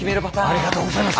ありがとうございます。